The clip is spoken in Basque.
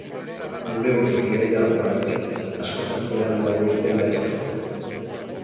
Bulegotik lehenago barik, askozaz beranduago irten beharko zuen.